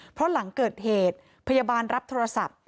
เพราะหลังเกิดเหตุพยาบาลรับโทรศัพท์